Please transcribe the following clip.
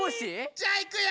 じゃあいくよ！